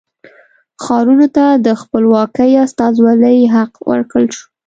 ښارونو ته د خپلواکې استازولۍ حق ورکړل شو.